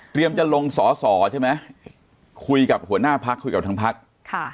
เตรียมจะลงสอสอใช่ไหมคุยกับหัวหน้าภักดิ์คุยกับทั้งภักดิ์